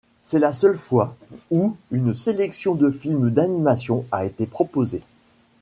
C'est la seule fois où une sélection de films d'animation a été proposée.